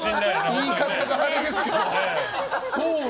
言い方があれですけど。